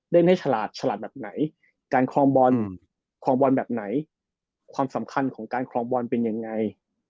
เล่นให้ฉลาดฉลาดแบบไหนการคลองบอลคลองบอลแบบไหนความสำคัญของการคลองบอลเป็นยังไง